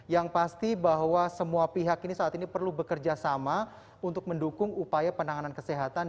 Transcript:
yang pasti bahwa semua pihak ini saat ini perlu bekerja sama untuk mendukung upaya penanganan kesehatan